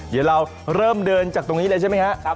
เดี๋ยวเราเริ่มเดินจากตรงนี้เลยใช่ไหมครับ